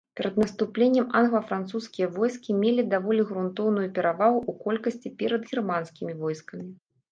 Перад наступленнем англа-французскія войскі мелі даволі грунтоўную перавагу ў колькасці перад германскімі войскамі.